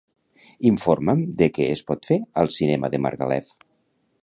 Informa'm de què es pot fer al cinema de Margalef.